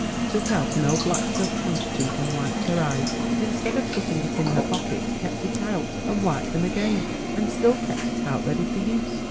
She took out an old black silk handkerchief and wiped her eyes, but instead of putting it in her pocket, kept it out, and wiped them again, and still kept it out ready for use.